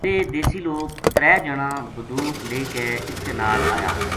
ویہ دیسی لوک ترے جنا بندوق لے کے اس کے نال آیا